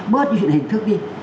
bớt những cái hình thức đi